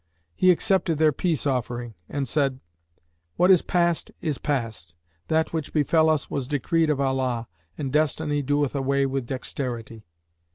He accepted their peace offering and said, "What is past is past: that which befell us was decreed of Allah, and destiny doeth away with dexterity."